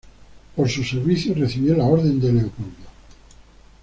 Por sus servicios recibió la orden de Leopoldo.